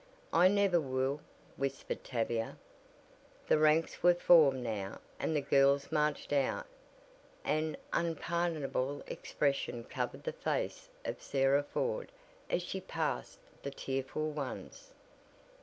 "I never will," whispered Tavia. The ranks were formed now, and the girls marched out. An unpardonable expression covered the face of Sarah Ford as she passed the tearful ones.